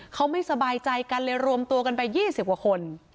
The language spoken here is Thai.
เขาไม่สบายใจกันเลยรวมตัวกันไป๒๐กว่าคน